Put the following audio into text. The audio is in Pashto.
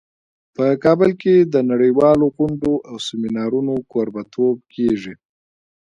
په کابل کې د نړیوالو غونډو او سیمینارونو کوربه توب کیږي